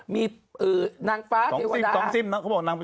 มีคงว่านางฝาเทวดา